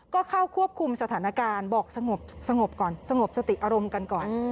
ก็เข้าควบคุมสถานการณ์บอกสงบก่อนสงบสติอารมณ์กันก่อน